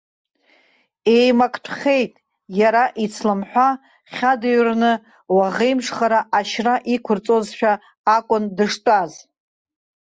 Еимактәхеит, иара ицламҳәа хьадыҩрны, уаӷеимшхара, ашьра иқәырҵозшәа акәын дыштәаз.